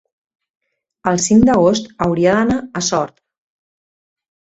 el cinc d'agost hauria d'anar a Sort.